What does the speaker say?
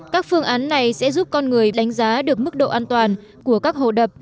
các phương án này sẽ giúp con người đánh giá được mức độ an toàn của các hồ đập